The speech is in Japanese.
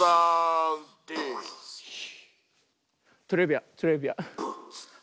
トレビアントレビアン。